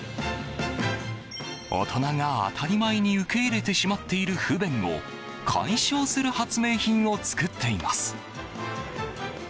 大人が当たり前に受け入れてしまっている不便を解消する発明品を作っています。